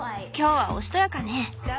今日はおしとやかね。